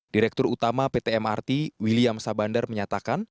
direktur utama pt mrt william sabandar menyatakan